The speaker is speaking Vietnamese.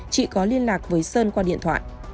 chị có liên lạc với sơn qua điện thoại